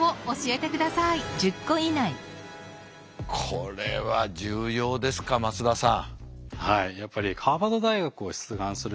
これは重要ですか松田さん。